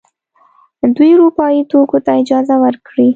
دوی اروپايي توکو ته اجازه ورکړي.